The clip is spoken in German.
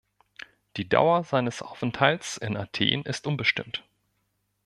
Die Dauer seines Aufenthalts in Athen ist unbestimmt.